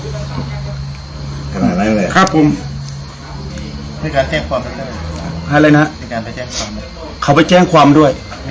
ก็พูดเลยขอบมีการแจ้งความด้วยขอบมีการไปแจ้งความด้วย